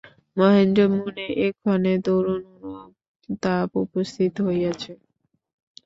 মহেন্দ্রের মনে এক্ষণে দারুণ অনুতাপ উপস্থিত হইয়াছে।